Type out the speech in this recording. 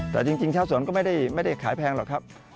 แต่จริงชาวสวนก็ไม่ได้ขายแพงหรอกครับ